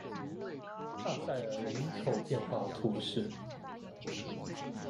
帕尔塞人口变化图示